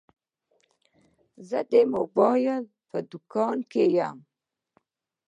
زه د موبایل په دوکان کي یم.